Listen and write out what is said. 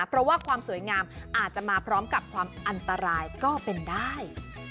เพราะว่าความสวยงามอาจจะมาพร้อมกับความอันตรายก็เป็นได้